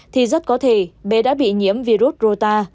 thì rất có thể bé đã bị nhiễm virus rota